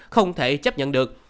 không thể chấp nhận được